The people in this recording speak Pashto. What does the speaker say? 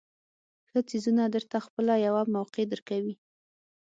ښه څیزونه درته خپله یوه موقع درکوي.